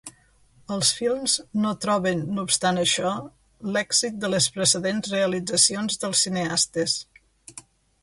Els films no troben no obstant això l'èxit de les precedents realitzacions dels cineastes.